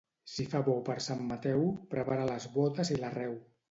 Si fa bo per Sant Mateu, prepara les botes i l'arreu.